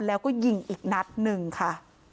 แล้วก็ยิงอีกนัดหนึ่งค่ะ